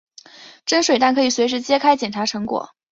蒸水蛋可以随时揭开捡查成果。